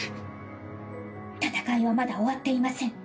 戦いはまだ終わっていません。